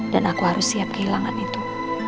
dan aku harus siap kehilangan itu